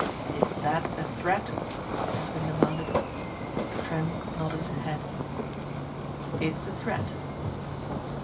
"Is that a threat?" Devlin demanded. Trent nodded his head. "It's a threat."